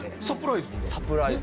サプライズ？